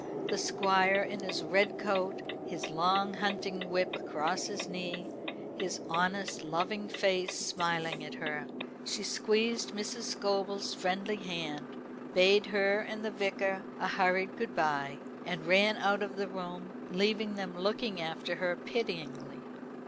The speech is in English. The Squire in his red coat, his long hunting whip across his knee, his honest loving face smiling at her. She squeezed Mrs. Scobel's friendly hand, bade her and the Vicar a hurried good bye, and ran out of the room, leaving them looking after her pityingly.